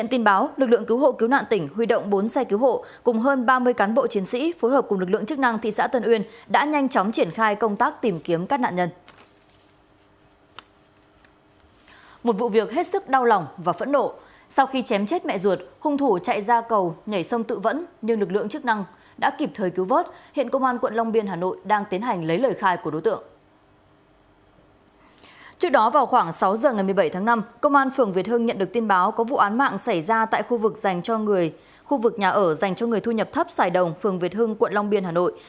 sau khoảng sáu giờ ngày một mươi bảy tháng năm công an phường việt hưng nhận được tin báo có vụ án mạng xảy ra tại khu vực nhà ở dành cho người thu nhập thấp xài đồng phường việt hưng quận long biên hà nội